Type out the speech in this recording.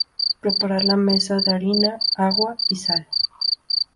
Preparar la masa de harina, agua y sal.